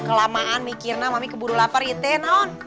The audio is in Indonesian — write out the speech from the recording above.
kelamaan mi kirna mami keburu lapar ya teh naon